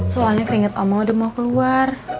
soalnya keringet omong udah mau keluar